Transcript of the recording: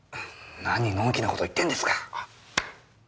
何のん気な事言ってんですか！